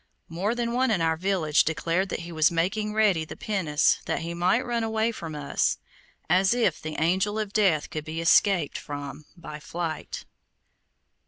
More than one in our village declared that he was making ready the pinnace that he might run away from us, as if the Angel of Death could be escaped from by flight.